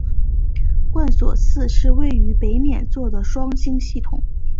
贯索四是位于北冕座的双星系统。